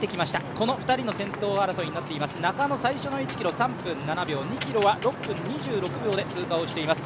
この２人の先頭争いになっています中野、最初の１ｋｍ、３分７秒、２ｋｍは６分２６秒で通過しています。